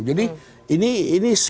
jadi ini ini kita masih dalam koalisi